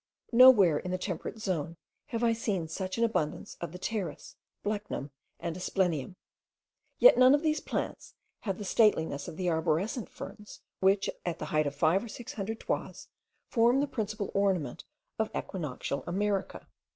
Nowhere, in the temperate zone, have I seen such an abundance of the pteris, blechnum, and asplenium; yet none of these plants have the stateliness of the arborescent ferns which, at the height of five or six hundred toises, form the principal ornament of equinoctial America.